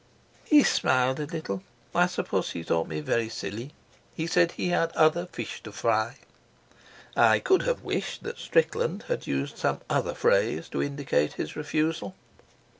"He smiled a little. I suppose he thought me very silly. He said he had other fish to fry." I could have wished that Strickland had used some other phrase to indicate his refusal.